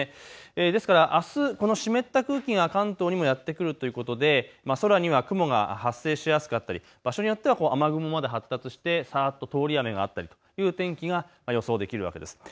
ですからあすこの湿った空気が関東にもやって来るということで空には雲が発生しやすかったり場所によっては雨雲まで発達して通り雨があったりという天気が予想できるわけです。